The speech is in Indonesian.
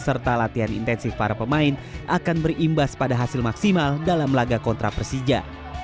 serta latihan intensif para pemain akan berimbas pada hasil maksimal dalam laga kontra persija